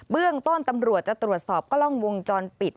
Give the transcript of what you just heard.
เรื่องต้นตำรวจจะตรวจสอบกล้องวงจรปิด